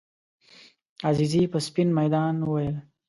عزیزي په سپین میدان وویل.